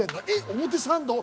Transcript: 表参道？